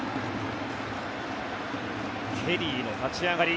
ケリーの立ち上がり。